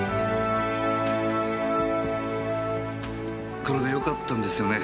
これでよかったんですよね。